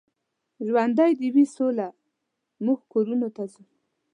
ژوندۍ دې وي سوله، موږ کورونو ته ځو.